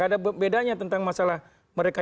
iya tidak ada bedanya tentang masalah mereka